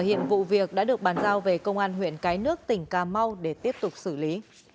hiện vụ việc đã được bàn giao về công an huyện cái nước tỉnh cà mau để tiếp tục xử lý